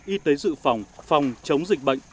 y tế dự phòng phòng chống dịch bệnh